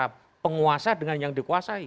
itu dilakukan antara penguasa dengan yang dikuasai